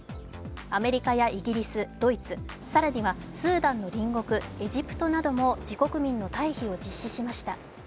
アメリカやイギリス、ドイツ更にはスーダンの隣国エジプトなども自国民の退避を実施しました。